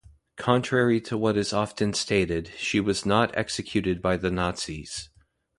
Contrary to what is often stated, she was not executed by the Nazis.